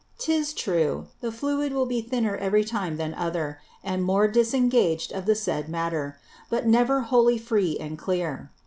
'Tis true, the Fluid will be thinner every time than other, and more disingaged of the said Matter; but never wholly free and clear.